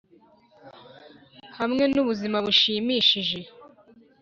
hamwe n'ubuzima bushimishije;